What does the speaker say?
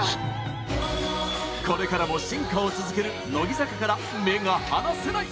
これからも進化を続ける乃木坂から目が離せない！